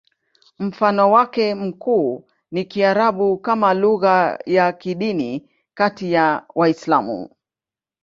Mfano wake mkuu ni Kiarabu kama lugha ya kidini kati ya Waislamu.